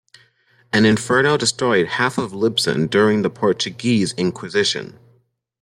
An inferno destroyed half of Lisbon during the Portuguese inquisition.